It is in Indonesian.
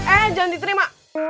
eh jangan diterima